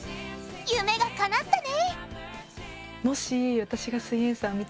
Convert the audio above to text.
夢がかなったね！